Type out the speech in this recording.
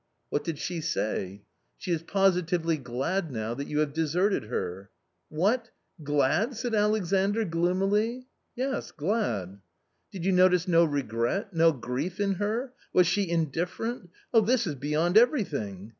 " What did she say ?" "She is positively glad now that you have deserted her." " What ! glad !" said Alexandr gloomily. "Yes, glad." "Did you notice no regret, no grief in her? was she indifferent ? This is beyond everything."